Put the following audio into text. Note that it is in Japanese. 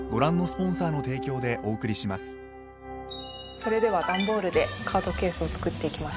それでは段ボールでカードケースを作っていきましょう。